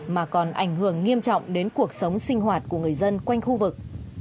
mà còn ảnh hưởng nghiêm trọng đến cuộc sống sinh hoạt của người dân quanh khu vực